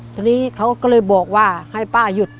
ทีนี้เขาก็เลยบอกว่าให้ป้าหยุด